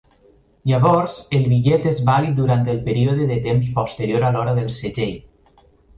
Llavors, el bitllet és vàlid durant un període de temps posterior a l'hora del segell.